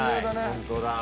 ホントだ。